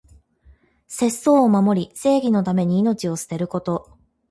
節操を守り、正義のために命を捨てること。